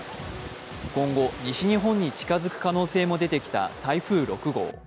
今後、西日本に近づく可能性も出てきた台風６号。